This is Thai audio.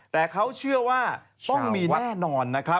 แต่เขาเชื่อว่าต้องมีแน่นอน